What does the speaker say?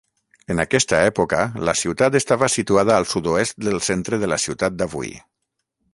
En aquesta època, la ciutat estava situada al sud-oest del centre de la ciutat d'avui.